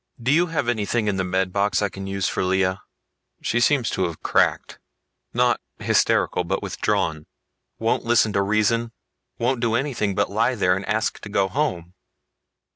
"Do you have anything in the med box I can use for Lea? She seems to have cracked. Not hysterical, but withdrawn. Won't listen to reason, won't do anything but lie there and ask to go home."